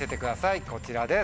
こちらです。